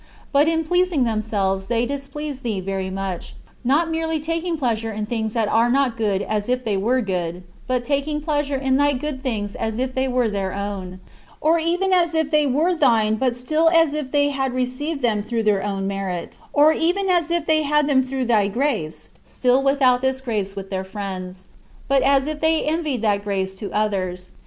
But in pleasing themselves they displease thee very much, not merely taking pleasure in things that are not good as if they were good, but taking pleasure in thy good things as if they were their own; or even as if they were thine but still as if they had received them through their own merit; or even as if they had them through thy grace, still without this grace with their friends, but as if they envied that grace to others.